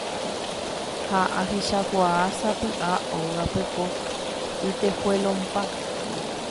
ha ahechakuaa sapy'a óga pepo itejuelonpa